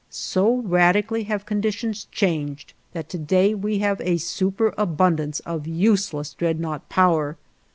So radically have conditions changed that to day we have a superabundance of useless dreadnaught power.